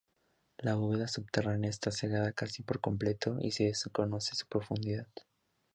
La bóveda subterránea está cegada casi por completo y se desconoce su profundidad.